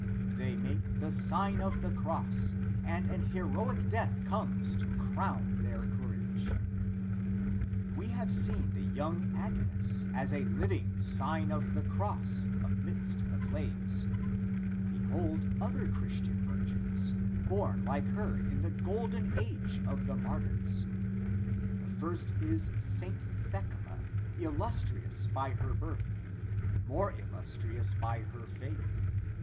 They make the Sign of the Cross, and an heroic death comes to crown their courao e.* o We have seen the young Agnes as a living Sign of the Cross amidst the flames. Behold other Christian virgins, born like her in the Golden Age of the martyrs. The first is St. Thecla, illustrious by her birth, more illustri ous by her faith.